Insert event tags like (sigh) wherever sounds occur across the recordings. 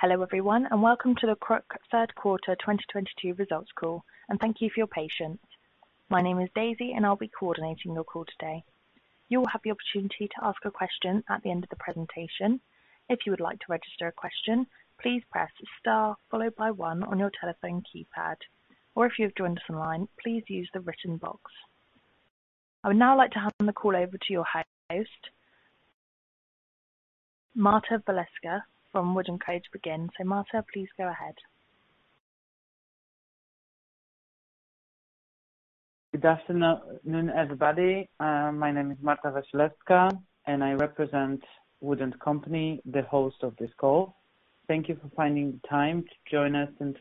Hello everyone, and welcome to the KRUK third quarter 2022 results call, and thank you for your patience. My name is Daisy, and I'll be coordinating your call today. You'll have the opportunity to ask a question at the end of the presentation. If you would like to register a question, please press star followed by one on your telephone keypad, or if you have joined us online, please use the written box. I would now like to hand the call over to your host, Marta Wasilewska from Wood & Co to begin. Marta, please go ahead. Good afternoon, everybody. My name is Marta Wasilewska, and I represent Wood & Company, the host of this call. Thank you for finding the time to join us and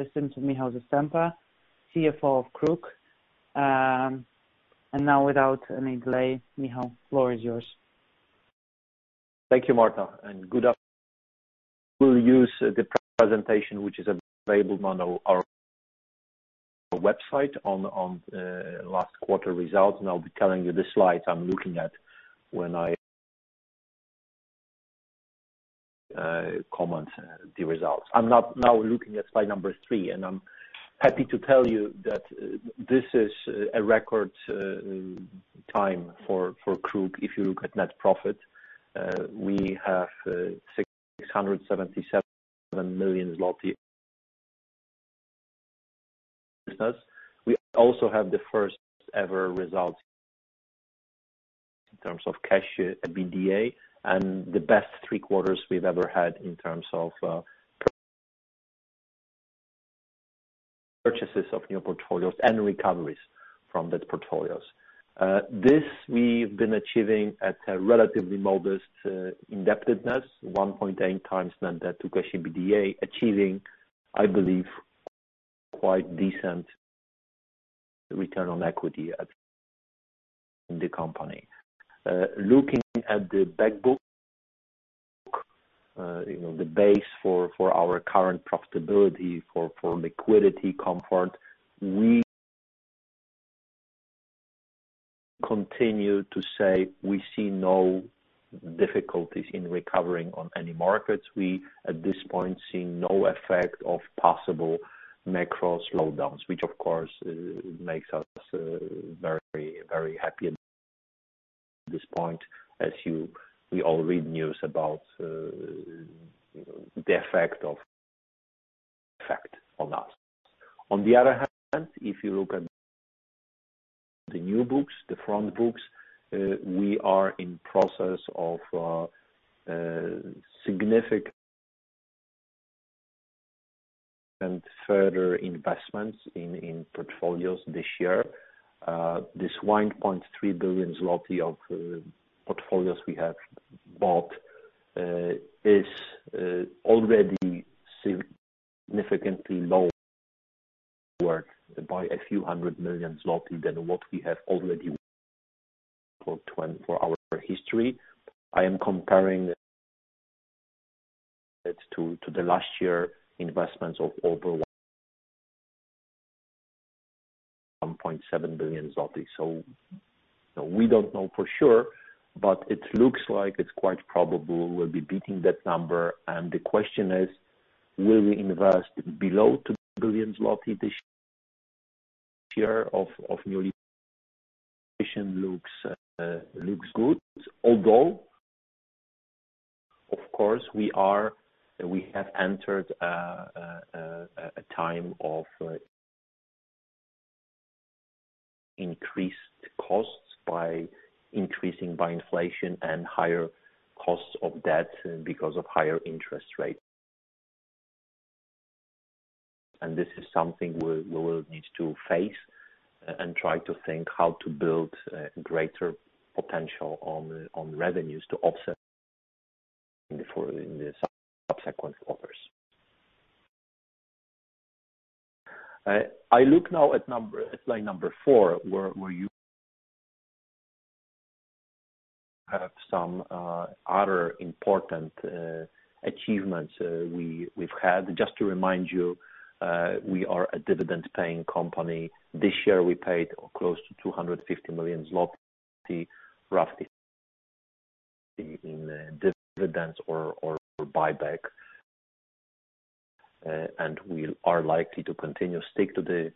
listen to Michał Zasępa, CFO of KRUK. Now without any delay, Michał, floor is yours. Thank you, Marta. We'll use the presentation, which is available on our website on last quarter results, and I'll be telling you the slides I'm looking at when I comment the results. I'm now looking at slide number three, and I'm happy to tell you that this is a record time for KRUK if you look at net profit. We have 677 million zloty. We also have the first ever results in terms of cash EBITDA and the best three quarters we've ever had in terms of purchases of new portfolios and recoveries from those portfolios. This we've been achieving at a relatively modest indebtedness, 1.8x net debt to cash EBITDA, achieving, I believe, quite decent return on equity in the company. Looking at the back book, you know, the base for our current profitability, for liquidity comfort, we continue to say we see no difficulties in recovering on any markets. We, at this point, see no effect of possible macro slowdowns which of course makes us very, very happy at this point, as we all read news about the effect on us. On the other hand, if you look at the new books, the front books, we are in process of significant and further investments in portfolios this year. This 1.3 billion zloty of portfolios we have bought is already significantly lower by a few hundred million złoty than what we have already for our history. I am comparing it to the last year investments of over 1.7 billion zloty. We don't know for sure, but it looks like it's quite probable we'll be beating that number. The question is: Will we invest below 2 billion zloty this year of newly. (audio distortion) It looks good. Although, of course, we have entered a time of increased costs from increasing inflation and higher costs of debt because of higher interest rates. This is something we will need to face and try to think how to build greater potential on revenues to offset in the subsequent quarters. I look now at slide number four, where you have some other important achievements we've had. Just to remind you, we are a dividend-paying company. This year, we paid close to 250 million zloty, roughly in dividends or buyback. We are likely to continue stick to the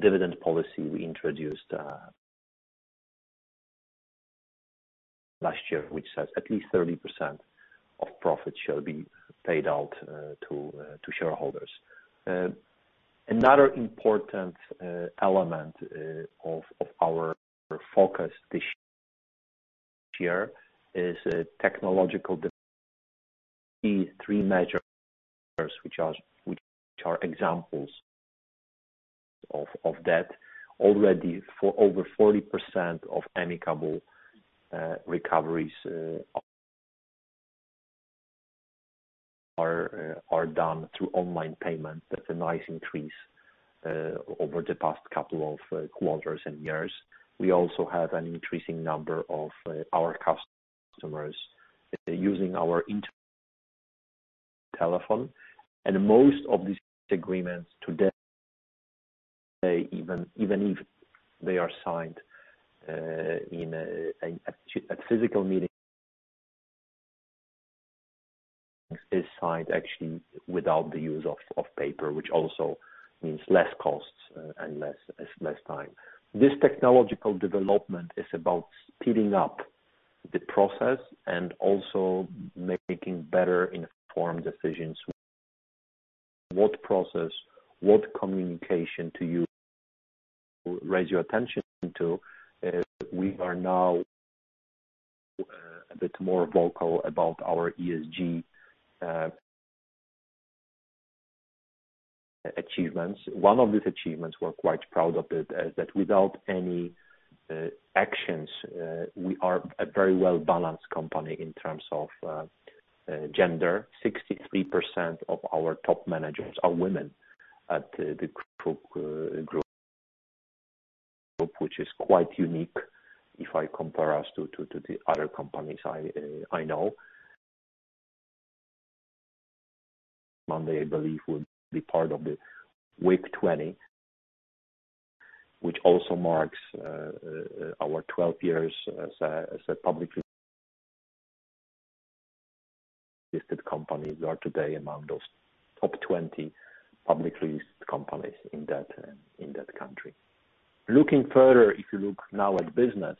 dividend policy we introduced last year, which says at least 30% of profit shall be paid out to shareholders. Another important element of our focus this year is technological. (audio distortion) Three major which are examples of that. Already, over 40% of amicable recoveries are done through online payment. That's a nice increase over the past couple of quarters and years. We also have an increasing number of our customers using our internet telephone. Most of these agreements today, even if they are signed in a physical meeting, is signed actually without the use of paper, which also means less costs and less time. This technological development is about speeding up the process and also making better informed decisions. What process, what communication to use. Raise your attention to is we are now a bit more vocal about our ESG achievements. One of these achievements we're quite proud of is that without any actions we are a very well-balanced company in terms of gender. 63% of our top managers are women at the group, which is quite unique if I compare us to the other companies I know. (audio distortion) Monday, I believe, will be part of the WIG20, which also marks our 12 years as a publicly listed company. We are today among those top 20 publicly listed companies in that country. Looking further, if you look now at business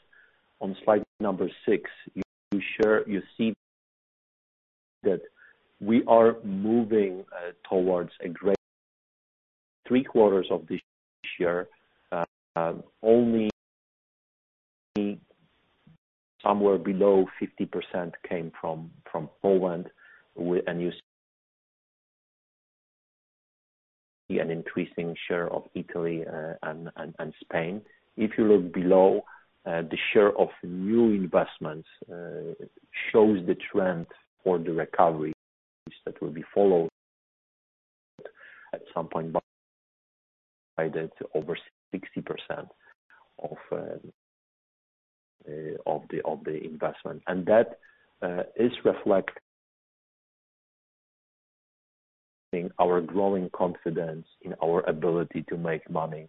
on slide number six, you see that we are moving towards a great three quarters of this year, only somewhere below 50% came from Poland. You see an increasing share of Italy and Spain. If you look below, the share of new investments shows the trend for the recovery that will be followed at some point by that over 60% of the investment. That is reflecting our growing confidence in our ability to make money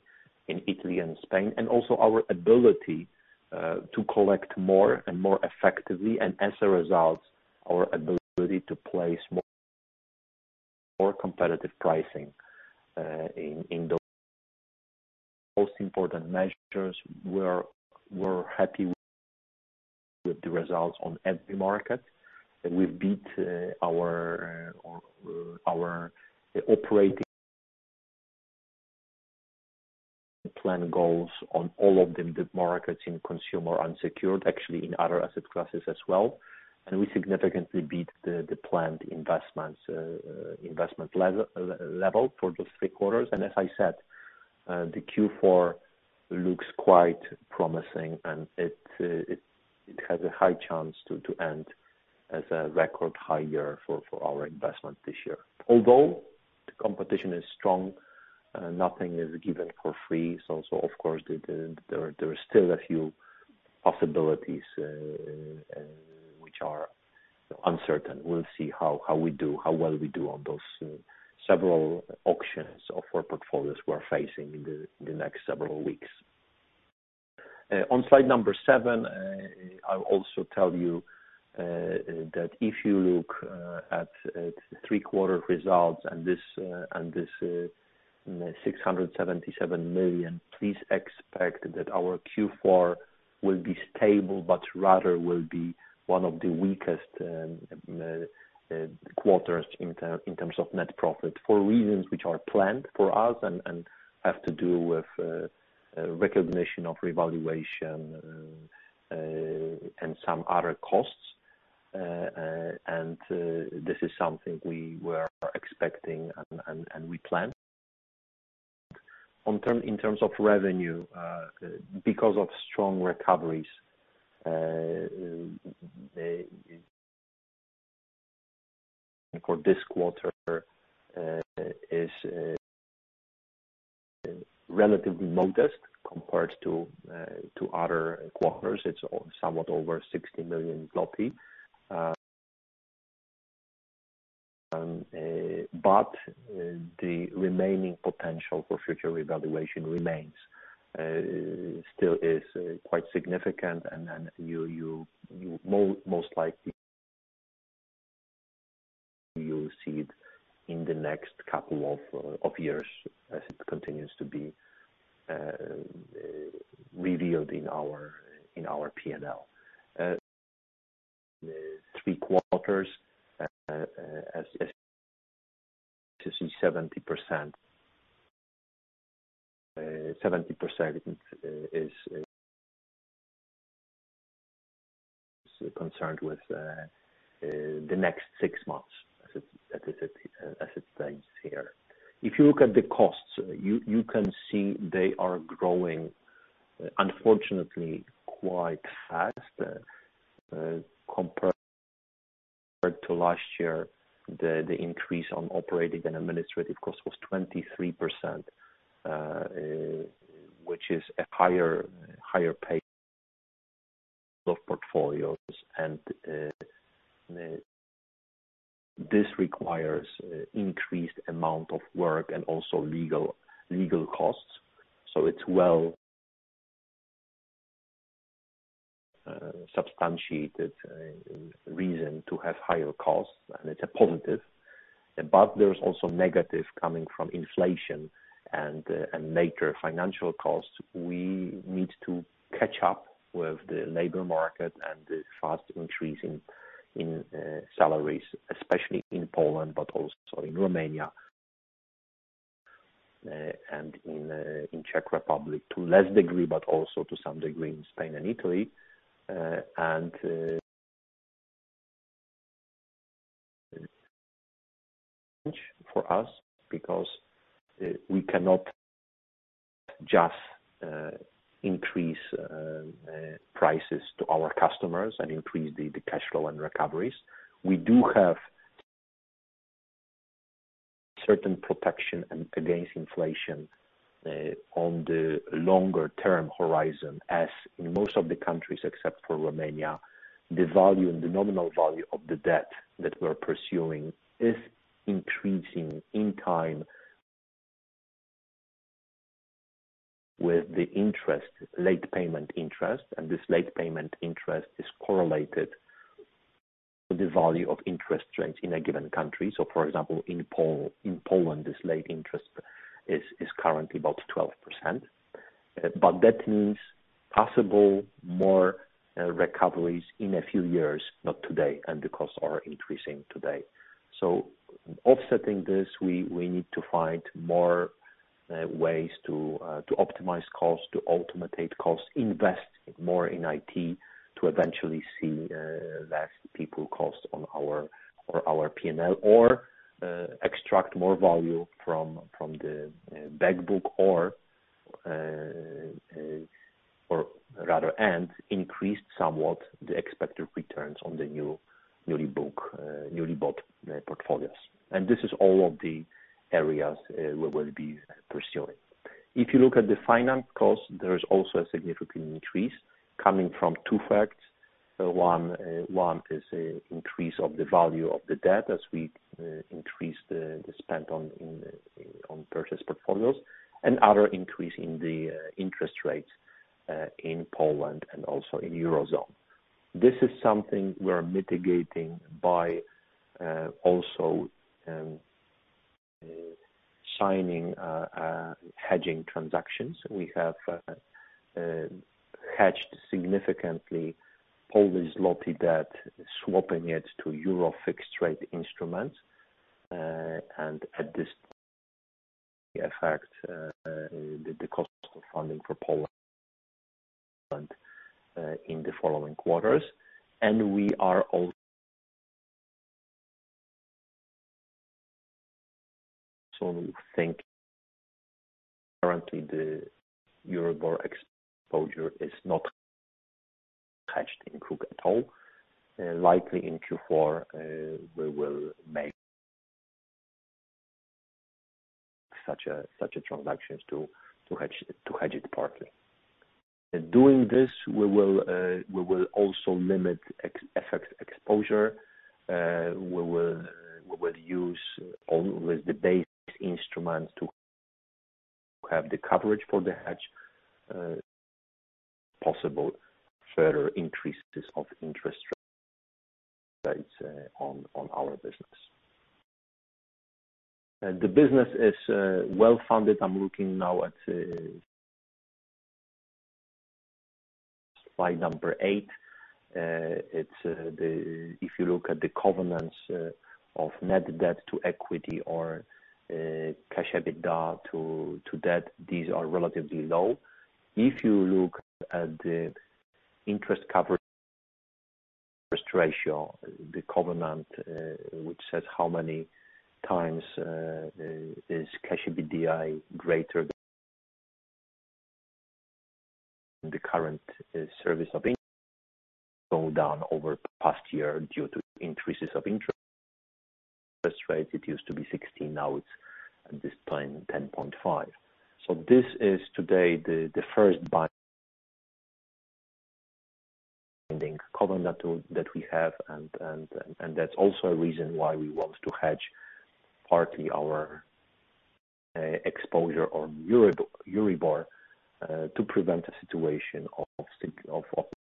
in Italy and Spain, and also our ability to collect more and more effectively, and as a result, our ability to place more competitive pricing in those. [audio disortion] Most important measures, we're happy with the results on every market. We've beat our operating plan goals on all of the markets in consumer unsecured, actually in other asset classes as well. We significantly beat the planned investments, investment level for those three quarters. As I said, the Q4 looks quite promising, and it has a high chance to end as a record-high year for our investment this year. Although the competition is strong, nothing is given for free. Of course, there are still a few possibilities which are uncertain. We'll see how well we do on those several auctions of our portfolios we're facing in the next several weeks. On slide number seven, I'll also tell you that if you look at three-quarter results and this 677 million, please expect that our Q4 will be stable, but rather will be one of the weakest quarters in terms of net profit for reasons which are planned for us and have to do with recognition of revaluation and some other costs. This is something we were expecting and we planned. In terms of revenue, because of strong recoveries, the...... for this quarter is relatively modest compared to other quarters. It's somewhat over 60 million. But the remaining potential for future revaluation remains still is quite significant. You most likely you'll see it in the next couple of years as it continues to be revealed in our P&L. Three quarters, as we see, 70%. 70% is concerned with the next six months as it stands here. If you look at the costs, you can see they are growing, unfortunately, quite fast. Compared to last year, the increase on operating and administrative costs was 23%, which is a higher pace of portfolios. This requires increased amount of work and also legal costs. It's well substantiated reason to have higher costs, and it's a positive. There's also negative coming from inflation and major financial costs. We need to catch up with the labor market and the fast increase in salaries, especially in Poland, but also in Romania and in Czech Republic, to less degree, but also to some degree in Spain and Italy. For us, because we cannot just increase prices to our customers and increase the cash flow and recoveries. We do have certain protection against inflation on the longer term horizon, as in most of the countries, except for Romania. The value and the nominal value of the debt that we're pursuing is increasing in time with the interest, late payment interest, and this late payment interest is correlated to the value of interest rates in a given country. For example, in Poland, this late interest is currently about 12%, but that means possible more recoveries in a few years, not today, and the costs are increasing today. Offsetting this, we need to find more ways to optimize costs, to automate costs, invest more in IT to eventually see less people cost on our P&L. Or extract more value from the back book or rather, and increase somewhat the expected returns on the newly bought portfolios. This is all of the areas we'll be pursuing. If you look at the finance cost, there is also a significant increase coming from two facts. One is the increase of the value of the debt as we increase the spend on purchase portfolios and other increase in the interest rates in Poland and also in Eurozone. This is something we are mitigating by also signing hedging transactions. We have significantly hedged significantly Polish zloty debt, swapping it to euro fixed rate instruments. At this point, it affects the cost of funding for Poland in the following quarters. We are also thinking currently the EURIBOR exposure is not hedged in the group at all. Likely in Q4, we will make such a transaction to hedge it partly. In doing this, we will also limit ex-FX exposure. We will use on with the base instruments to have the coverage for the hedge possible further increases of interest rates on our business. The business is well-funded. I'm looking now at slide eight. If you look at the covenants of net debt to equity or cash EBITDA to debt, these are relatively low. If you look at the interest coverage ratio, the covenant which says how many times is cash EBITDA greater than the current service of debt has gone down over past year due to increases of interest rates. It used to be 16, now it's at this point 10.5. This is today the first binding covenant tool that we have. That's also a reason why we want to hedge partly our exposure to EURIBOR to prevent a situation of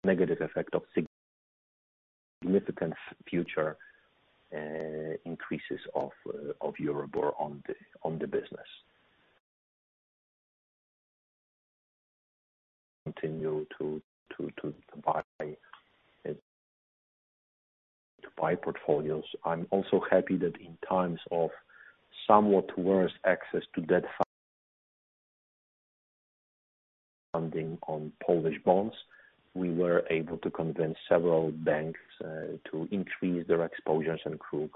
negative effect of significant future increases of EURIBOR on the business. (audio distortion) continue to buy portfolios. I'm also happy that in times of somewhat worse access to debt funding on Polish bonds, we were able to convince several banks to increase their exposures in KRUK.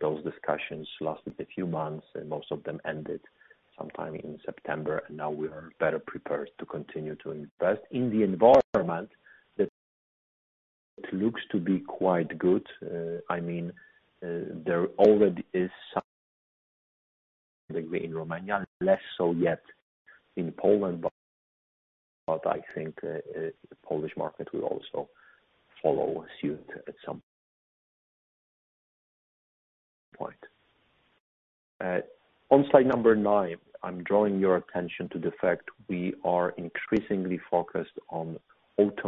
Those discussions lasted a few months, and most of them ended sometime in September. Now we are better prepared to continue to invest in the environment that looks to be quite good. I mean, there already is some degree in Romania, and less so yet in Poland. I think the Polish market will also follow suit at some point. On slide number nine, I'm drawing your attention to the fact we are increasingly focused on automation,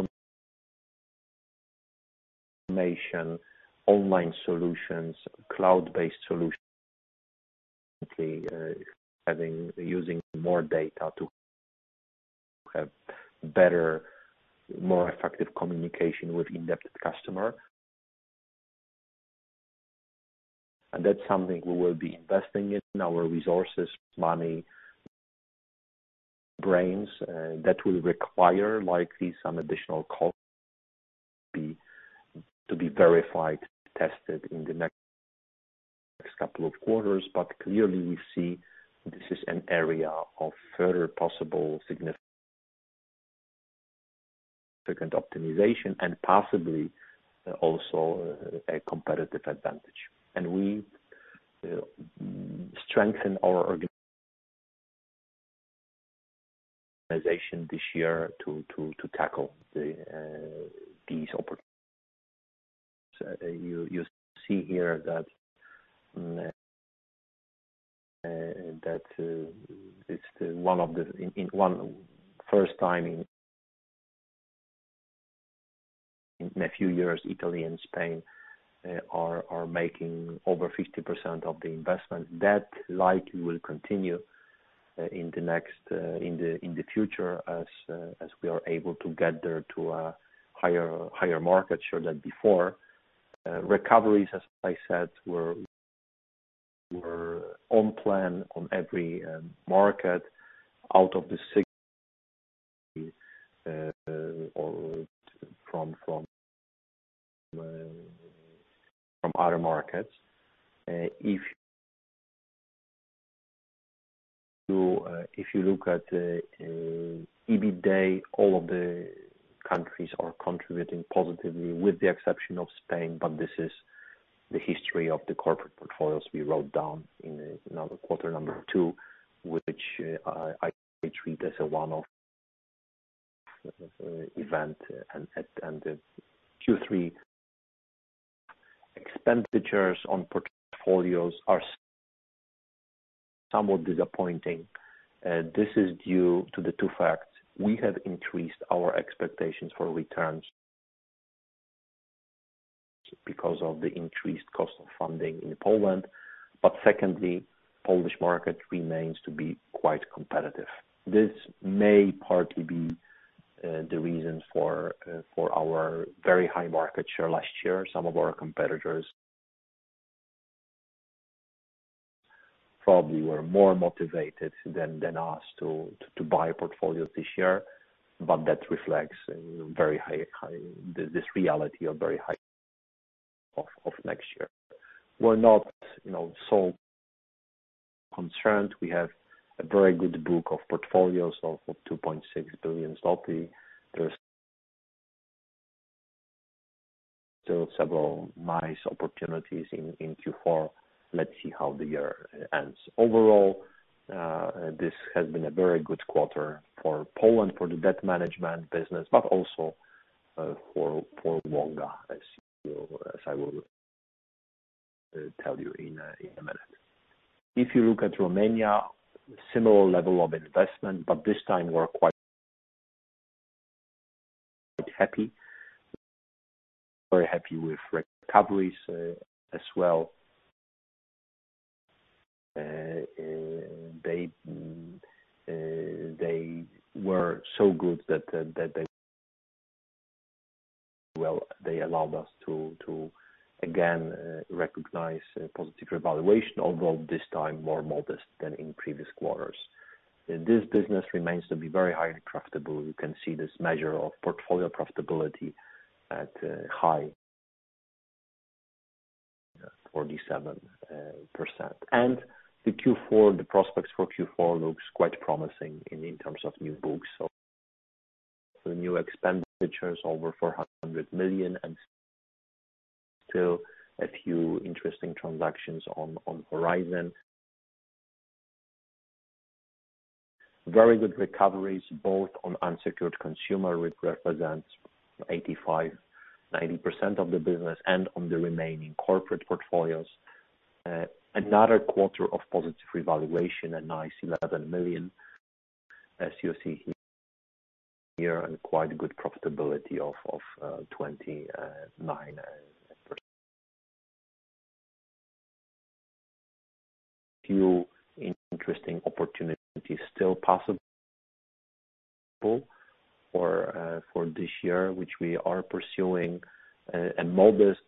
online solutions, cloud-based solutions. (audio distortion) using more data to have better, more effective communication with in-depth customer. That's something we will be investing in our resources, money, brains, that will require likely some additional costs to be verified, tested in the next couple of quarters. Clearly we see this is an area of further possible significant optimization and possibly also a competitive advantage. We strengthen our organization this year to tackle these opportunities. You see here that, for the first time in a few years, Italy and Spain are making over 50% of the investment. That likely will continue in the future as we are able to get there to a higher market share than before. Recoveries, as I said, were on plan on every market out of the six or from other markets. If you look at EBITDA, all of the countries are contributing positively with the exception of Spain, but this is the history of the corporate portfolios we wrote down in quarter number two, which I treat as a one-off event. Q3 expenditures on portfolios are somewhat disappointing. This is due to the two facts. We have increased our expectations for returns because of the increased cost of funding in Poland. Secondly, Polish market remains to be quite competitive. This may partly be the reason for our very high market share last year. Some of our competitors probably were more motivated than us to buy portfolios this year, but that reflects this reality of very high of next year. We're not, you know, so concerned. We have a very good book of portfolios of 2.6 billion. There are still several nice opportunities in Q4. Let's see how the year ends. Overall, this has been a very good quarter for Poland, for the debt management business, but also for Wonga, as I will tell you in a minute. If you look at Romania, similar level of investment, but this time we're quite happy. Very happy with recoveries, as well. They were so good that they. Well, they allowed us to again recognize a positive revaluation, although this time more modest than in previous quarters. This business remains to be very highly profitable. You can see this measure of portfolio profitability at high 47%. The Q4 prospects for Q4 look quite promising in terms of new books. The new expenditures over 400 million and still a few interesting transactions on horizon. Very good recoveries, both on unsecured consumer, which represents 85%-90% of the business and on the remaining corporate portfolios. Another quarter of positive revaluation, a nice 11 million, as you see here, and quite good profitability of 29%. Few interesting opportunities still possible for this year, which we are pursuing, a modest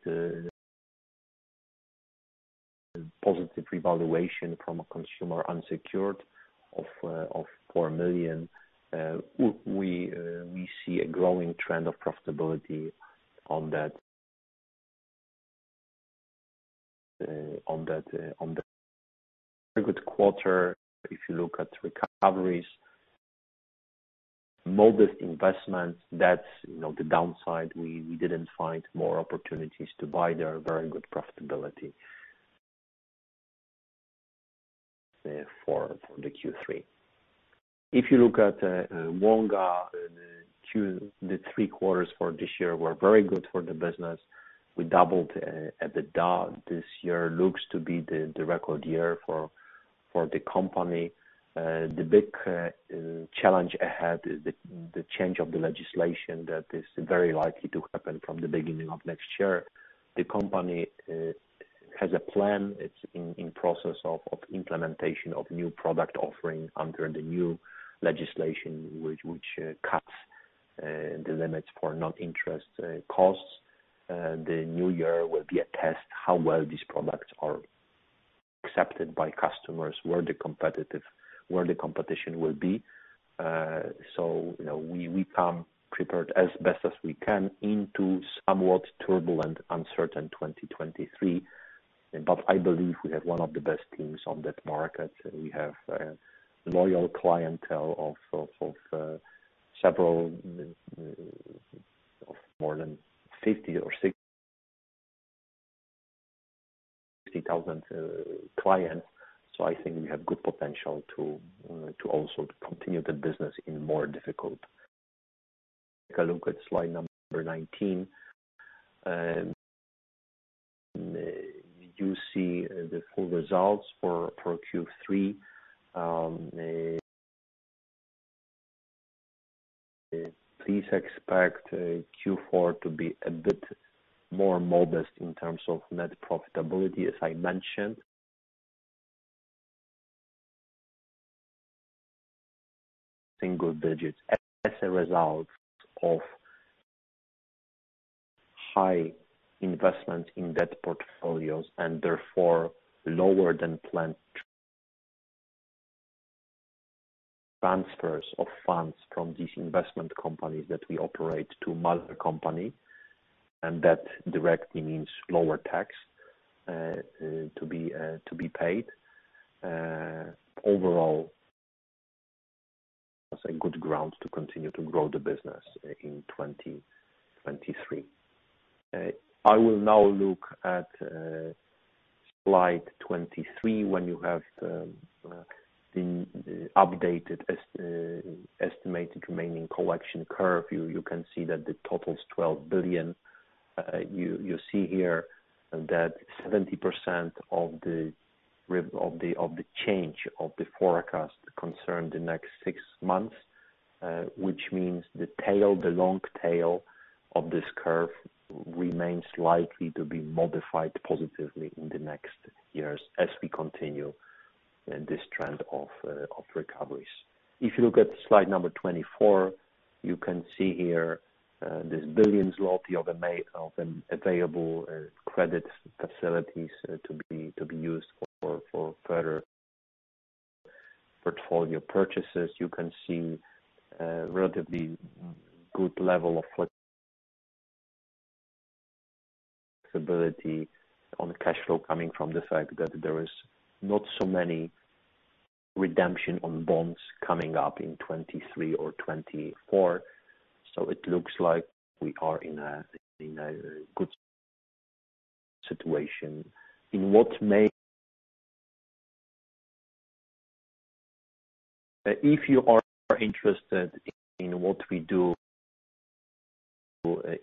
positive revaluation from a consumer unsecured of 4 million. We see a growing trend of profitability on that. (audio distortion) Very good quarter if you look at recoveries. Modest investments. That's, you know, the downside. We didn't find more opportunities to buy their very good profitability for the Q3. If you look at Wonga, the three quarters for this year were very good for the business. We doubled at the door. This year looks to be the record year for the company. The big challenge ahead, the change of the legislation that is very likely to happen from the beginning of next year. The company has a plan. It's in process of implementation of new product offering under the new legislation, which cuts the limits for non-interest costs. The new year will be a test how well these products are accepted by customers, where the competition will be. You know, we come prepared as best as we can into somewhat turbulent, uncertain 2023. I believe we have one of the best teams on that market. We have loyal clientele of more than 50,000 or 60,000 clients. I think we have good potential to also continue the business in more difficult. (audio distortion) Take a look at slide number 19. You see the full results for Q3. Please expect Q4 to be a bit more modest in terms of net profitability, as I mentioned. Single digits as a result of high investment in debt portfolios and therefore lower than planned. Transfers of funds from these investment companies that we operate to mother company, and that directly means lower tax to be paid. Overall it's a good ground to continue to grow the business in 2023. I will now look at slide 23 when you have the updated estimated remaining collection curve. You can see that the total is 12 billion. You see here that 70% of the change of the forecast concerns the next six months, which means the long tail of this curve remains likely to be modified positively in the next years as we continue this trend of recoveries. If you look at slide number 24, you can see here this 1 billion of available credit facilities to be used for further portfolio purchases. You can see a relatively good level of flexibility on cash flow coming from the fact that there is not so many redemptions on bonds coming up in 2023 or 2024. It looks like we are in a good situation in what may. (audio distortion) If you are interested in what we do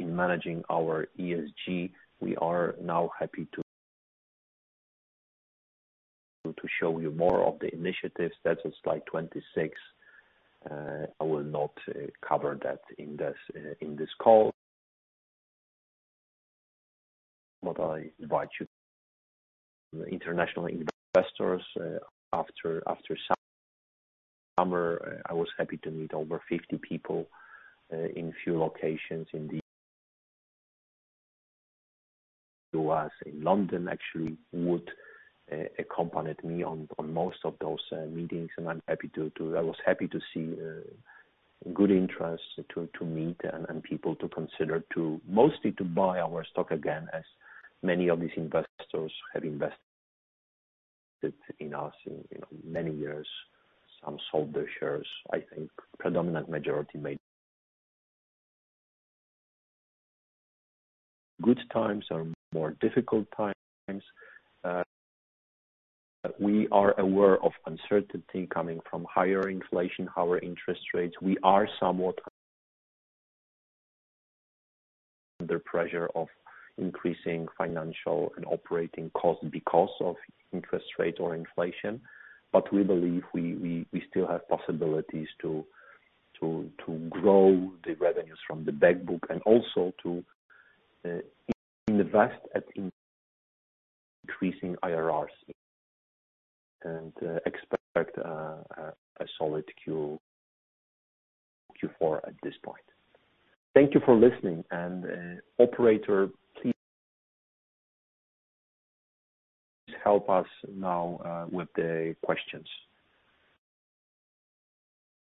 in managing our ESG, we are now happy to show you more of the initiatives. That's slide 26. I will not cover that in this call. I invite you international investors, after summer, I was happy to meet over 50 people, in few locations in the U.S., in London. Actually, Wood accompanied me on most of those meetings, and I was happy to see good interest to meet and people to consider mostly to buy our stock again, as many of these investors have invested in us in, you know, many years. Some sold their shares. I think predominant majority made good times or more difficult times. We are aware of uncertainty coming from higher inflation, higher interest rates. We are somewhat under pressure of increasing financial and operating costs because of interest rates or inflation. We believe we still have possibilities to grow the revenues from the back book and also to invest at increasing IRRs. Expect a solid Q4 at this point. Thank you for listening. Operator, please help us now with the questions.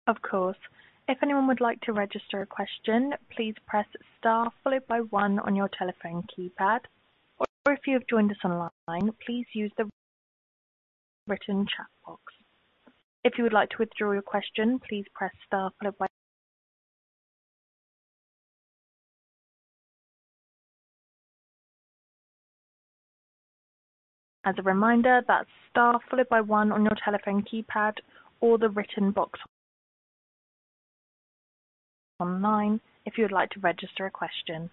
Of course. If anyone would like to register a question, please press star followed by one on your telephone keypad. Or if you have joined us online, please use the written chat box. If you would like to withdraw your question, please press star followed by one. As a reminder, that's star followed by one on your telephone keypad or the written chat box online if you would like to register a question.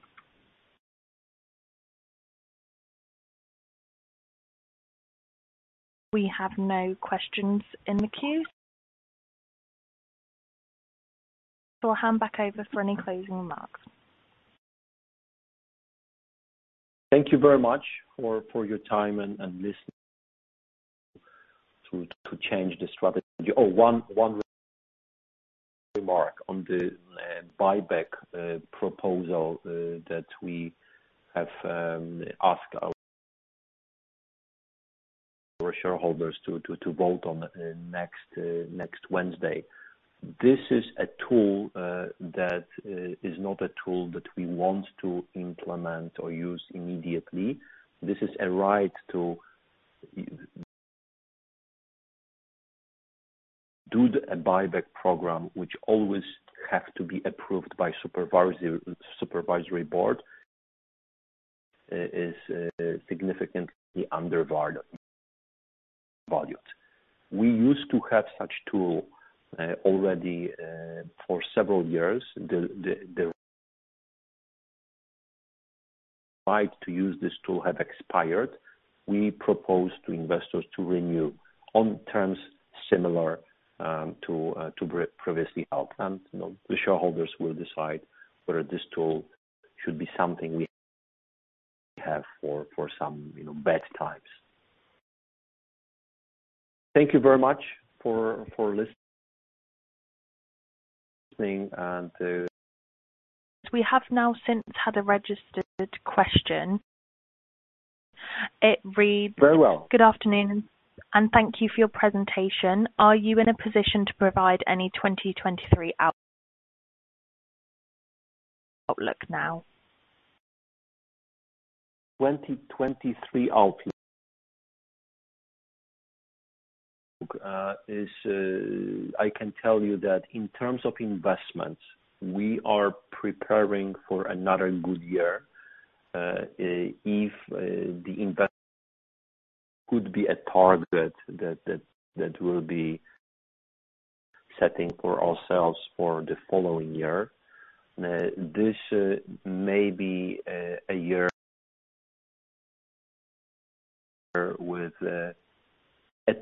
We have no questions in the queue. I'll hand back over for any closing remarks. Thank you very much for your time and listening. To change the strategy. One remark on the buyback proposal that we have asked our shareholders to vote on next Wednesday. This is a tool that is not a tool that we want to implement or use immediately. This is a right to do the buyback program, which always have to be approved by Supervisory Board. (audio distortion) is significantly undervalued. We used to have such tool already for several years. The right to use this tool had expired. We proposed to investors to renew on terms similar to previously outlined. You know, the shareholders will decide whether this tool should be something we have for some bad times. Thank you very much for listening and- We have now since had a registered question. It reads... Very well. Good afternoon, and thank you for your presentation. Are you in a position to provide any 2023 outlook now? 2023 outlook is, I can tell you that in terms of investments, we are preparing for another good year. If the investment could be a target that will be setting for ourselves for the following year. This may be a year with at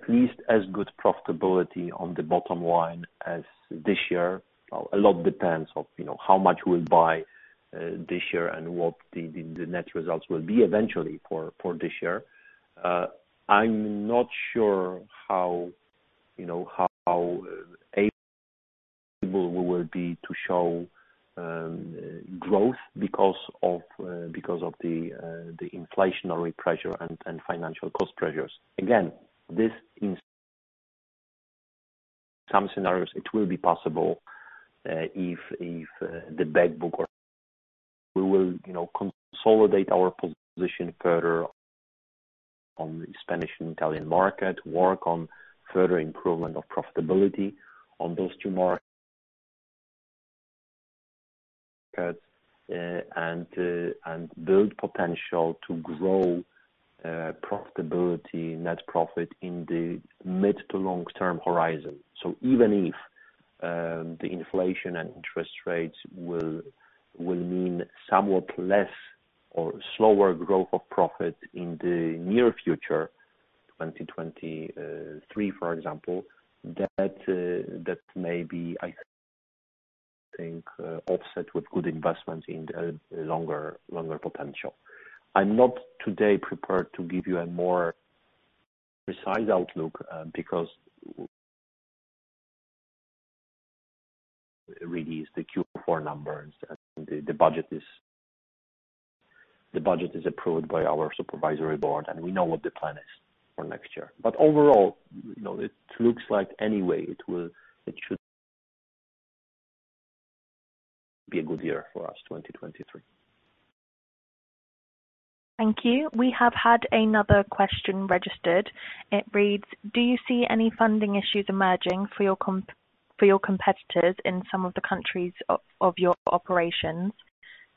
least as good profitability on the bottom line as this year. A lot depends on, you know, how much we'll buy this year and what the net results will be eventually for this year. I'm not sure how, you know, able we will be to show growth because of the inflationary pressure and financing cost pressures. Again, this in some scenarios it will be possible, if the back book or. (audio distortion) We will, you know, consolidate our position further on the Spanish and Italian market, work on further improvement of profitability on those two markets, and build potential to grow profitability, net profit in the mid- to long-term horizon. Even if the inflation and interest rates will mean somewhat less or slower growth of profit in the near future, 2023, for example, that may be, I think, offset with good investment in the longer potential. I'm not today prepared to give you a more precise outlook, because release the Q4 numbers and the budget is approved by our Supervisory Board, and we know what the plan is for next year. Overall, you know, it looks like anyway it will, it should be a good year for us, 2023. Thank you. We have had another question registered. It reads: Do you see any funding issues emerging for your competitors in some of the countries of your operations?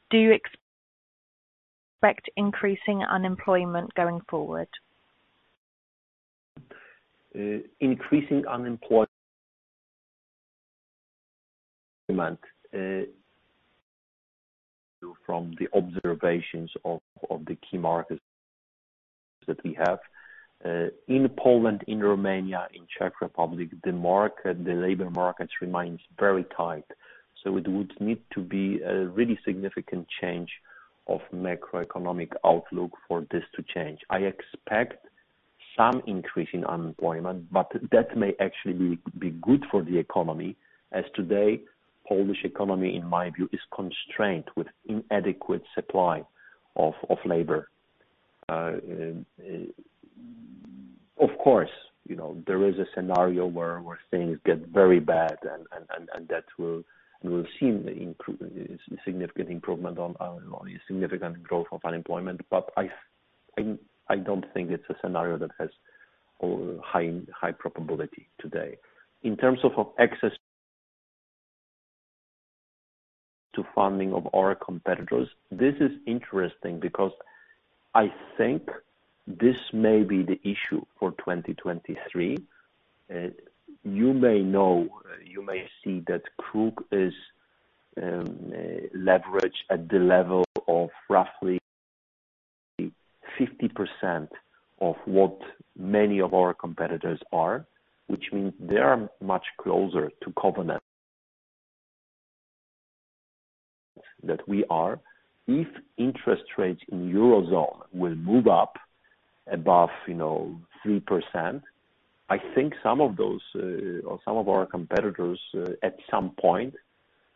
Do you expect increasing unemployment going forward? Increasing unemployment. From the observations of the key markets that we have, in Poland, in Romania, in Czech Republic, the labor markets remains very tight. It would need to be a really significant change of macroeconomic outlook for this to change. I expect some increase in unemployment, but that may actually be good for the economy, as today, Polish economy, in my view, is constrained with inadequate supply of labor. Of course, you know, there is a scenario where things get very bad and we'll see significant growth of unemployment. I don't think it's a scenario that has high probability today. In terms of access to funding of our competitors, this is interesting because I think this may be the issue for 2023. You may know, you may see that KRUK is leveraged at the level of roughly 50% of what many of our competitors are, which means they are much closer to covenants than we are. If interest rates in Eurozone will move up above, you know, 3%, I think some of those or some of our competitors at some point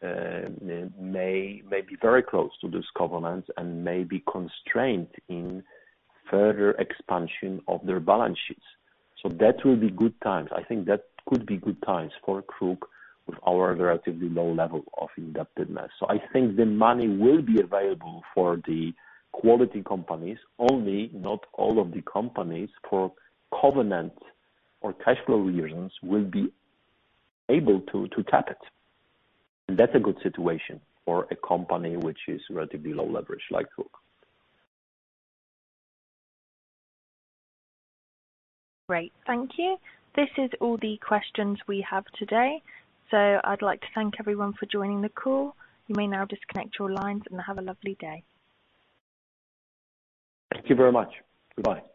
may be very close to this covenant and may be constrained in further expansion of their balance sheets. That will be good times. I think that could be good times for KRUK with our relatively low level of indebtedness. I think the money will be available for the quality companies, only not all of the companies for covenant or cash flow reasons will be able to tap it. That's a good situation for a company which is relatively low leverage like KRUK. Great. Thank you. This is all the questions we have today. I'd like to thank everyone for joining the call. You may now disconnect your lines, and have a lovely day. Thank you very much. Goodbye.